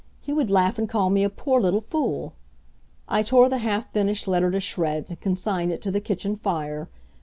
He would laugh and call me a poor little fool." I tore the half finished letter to shreds, and consigned it to the kitchen fire.